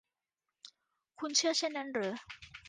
คุณเชื่อเช่นนั้นหรือ